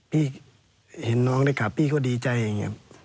พี่เห็นน้องได้กลับพี่ก็ดีใจอย่างนี้